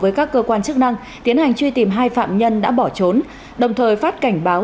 với các cơ quan chức năng tiến hành truy tìm hai phạm nhân đã bỏ trốn đồng thời phát cảnh báo